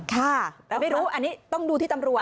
ค่ะแต่ไม่รู้อันนี้ต้องดูที่ตำรวจ